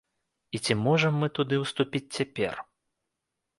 І ці можам мы туды ўступіць цяпер?